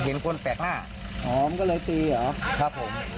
เห็นคนแปลกหน้าหอมก็เลยตีเหรอครับผม